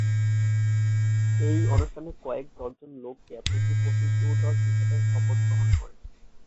এই অনুষ্ঠানে কয়েক ডজন লোক ডেপুটি প্রসিকিউটর হিসেবে শপথ গ্রহণ করে।